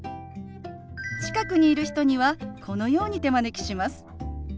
近くにいる人にはこのように手招きします。